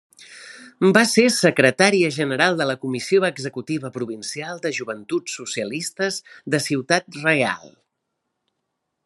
Va ser secretària general de la Comissió Executiva Provincial de Joventuts Socialistes de Ciutat Real.